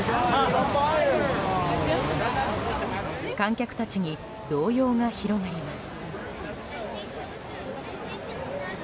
観客たちに動揺が広がります。